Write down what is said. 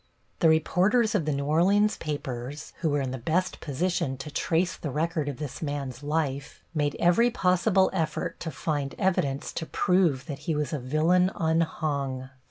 The reporters of the New Orleans papers, who were in the best position to trace the record of this man's life, made every possible effort to find evidence to prove that he was a villain unhung.